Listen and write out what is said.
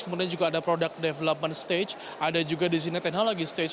kemudian juga ada product development stage ada juga di sini teknologi stage